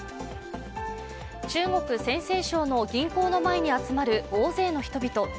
中国・陝西省の銀行の前に集まる大勢の人々。